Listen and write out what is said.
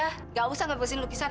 nggak usah nggak berus ini lukisan